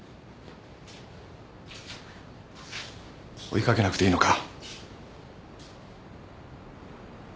追いかけなくていいのか？